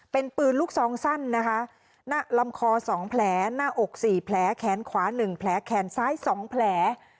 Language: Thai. เป็นปืนลูกซองสั้นนะคะหน้าลำคอ๒แผลหน้าอก๔แผลแขนขวา๑แผลแขนซ้าย๒แผล